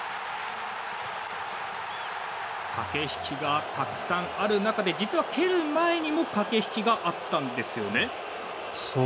駆け引きがたくさんある中で実は蹴る前にも駆け引きがあったんですよね。